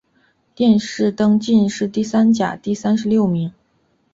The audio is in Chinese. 殿试登进士第三甲第三十六名。